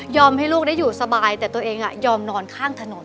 ให้ลูกได้อยู่สบายแต่ตัวเองยอมนอนข้างถนน